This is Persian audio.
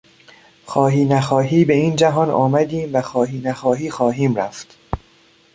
خواهی نخواهی به این جهان آمدیم و خواهی نخواهی خواهیم رفت.